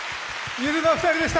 ゆずのお二人でした。